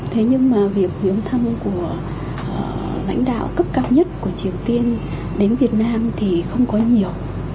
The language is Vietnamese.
thế nhưng mà việc hướng thăm của lãnh đạo cấp cao nhất của triều tiên đến việt nam thì không có nhiều